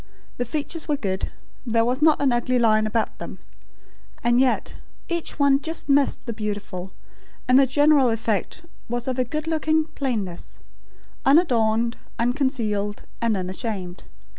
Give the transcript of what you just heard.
The features were good; there was not an ugly line about them; and yet, each one just missed the beautiful; and the general effect was of a good looking plainness; unadorned, unconcealed, and unashamed.